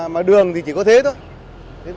mà đường thì chỉ có thế thôi